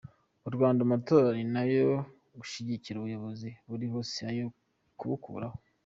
Mu Rwanda amatora ni ayo gushigikira ubuyobozi buriho si ayo kubukuraho!